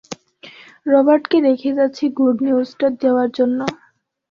রবার্টকে রেখে যাচ্ছি গুড নিউজটা দেওয়ার জন্য!